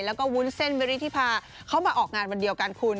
แล้วก็วุ้นเส้นวิริธิพาเขามาออกงานวันเดียวกันคุณ